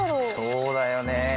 そうだよね。